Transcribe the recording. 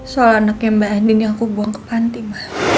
soal anaknya mbak andin yang aku buang ke kantin